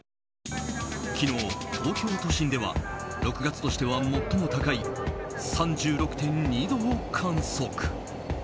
昨日、東京都心では６月としては最も高い３６．２度を観測。